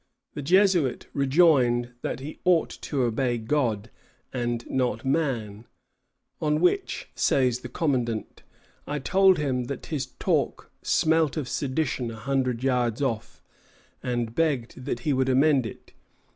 The Jesuit rejoined that he ought to obey God, and not man, "on which," says the commandant, "I told him that his talk smelt of sedition a hundred yards off, and begged that he would amend it.